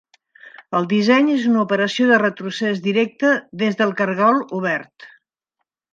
El disseny és una operació de retrocés directe des del cargol obert.